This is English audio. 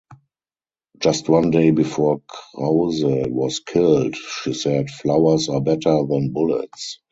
Just one day before Krause was killed, she said "flowers are better than bullets".